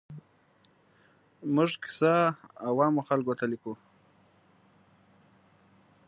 موږ کیسه عوامو خلکو ته لیکو.